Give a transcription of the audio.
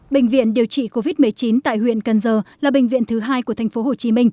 bệnh viện điều trị covid một mươi chín tại huyện cần giờ là bệnh viện thứ hai của tp hcm